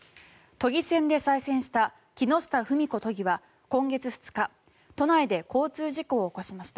都議選で再選した木下富美子都議は今月２日都内で交通事故を起こしました。